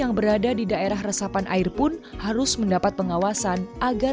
untuk memaksimalkan upaya pelestarian air pemerintah daerah pun melakukan pembelian air